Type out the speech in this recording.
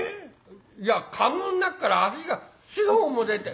いや駕籠ん中から足が４５本も出て。